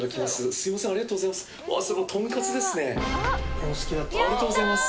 すみませんありがとうございます。